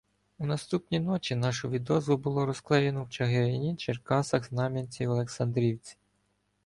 У наступні ночі нашу "відозву" було розклеєно в Чигирині, Черкасах, Знам'янці, Олексацдрівці.